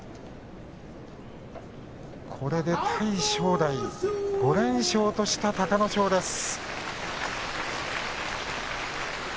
これで対正代、５連勝とした隆の勝です。